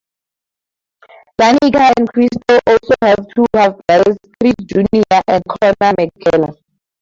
Danica and Crystal also have two half-brothers, Chris Junior and Connor McKellar.